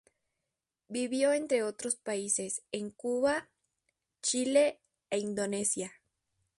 Vivió entre otros países en Cuba, Chile, e Indonesia.